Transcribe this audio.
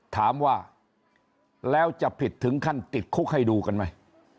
ถามว่าแล้วจะผิดถึงขั้นติดคุกให้ดูกันไหม